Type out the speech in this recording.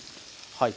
はい。